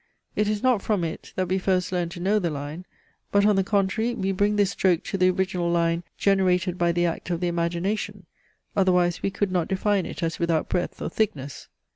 It is not from it, that we first learn to know the line; but, on the contrary, we bring this stroke to the original line generated by the act of the imagination; otherwise we could not define it as without breadth or thickness.